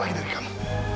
saya mau dari kamu